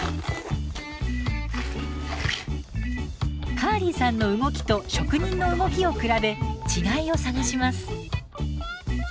カーリーさんの動きと職人の動きを比べ違いを探します。